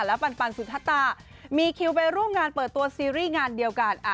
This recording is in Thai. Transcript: แล้วปันสุธตามีคิวไปร่วมงานเปิดตัวซีรีส์งานเดียวกัน